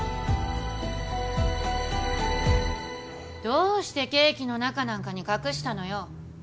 どうしてケーキの中なんかに隠したのよ。